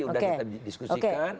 sudah kita diskusikan